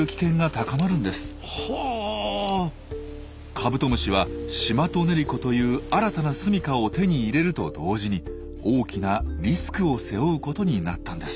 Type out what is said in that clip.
カブトムシはシマトネリコという新たなすみかを手に入れると同時に大きなリスクを背負うことになったんです。